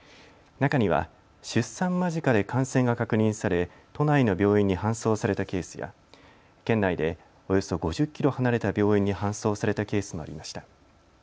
中には出産間近で感染が確認され都内の病院に搬送されたケースや県内でおよそ５０キロ離れた病院に搬送されたケースもありました。